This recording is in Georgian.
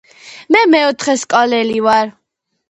მე მეოთხე სკოლელი ვარ.